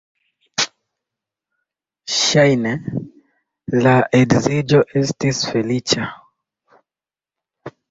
Ŝajne la edziĝo estis feliĉa.